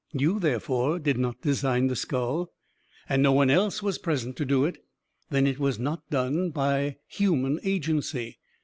You, therefore, did not design the skull, and no one else was present to do it. Then it was not done by human agency.